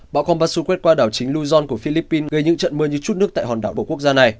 bão kombasu quét qua đảo chính luzon của philippines gây những trận mưa như chút nước tại hòn đảo bộ quốc gia này